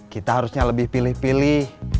kita harusnya lebih pilih pilih